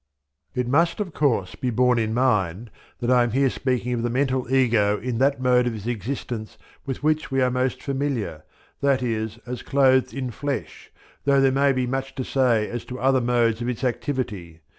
It must of course be borne in mind that I am here speaking of the mental ego in that, mode of its existence with which we are most familiar, that is as clothed in flesh, though there may be much to say as to other modes of its activity.